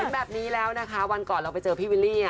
แบบนี้แล้วนะคะวันก่อนเราไปเจอพี่วิลลี่